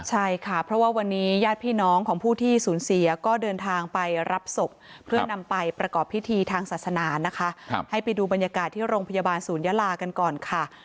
ใช่ค่ะเพราะว่าวันนี้ญาติพี่น้องของผู้ที่สูญเสียก็เดินทางไปรับศพเพื่อนำไปประกอบพิธีทางศาสนานะคะให้ไปดูบรรยากาศที่โรงพยาบาลศูนยาลากันก่อนค่ะ